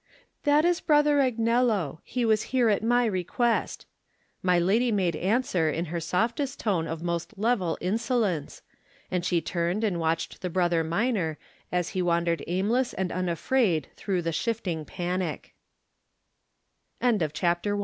"That is Brother Agnello — ^he was here at my request," my lady made answer in her softest tone of most level insolence, and she turned and watched the Brother Minor as he wandered aimless and unafraid through